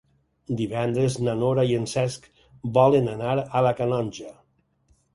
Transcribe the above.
Divendres na Nora i en Cesc volen anar a la Canonja.